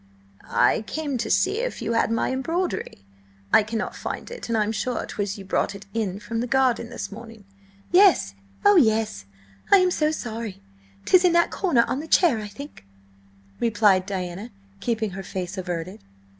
"I came to see if you had my broidery. I cannot find it, and I am sure 'twas you brought it in from the garden this morning." "Yes–oh, yes–I am so sorry! 'Tis in that corner on the chair, I think," replied Diana, keeping her face averted.